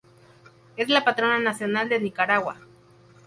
Es la Patrona Nacional de Nicaragua.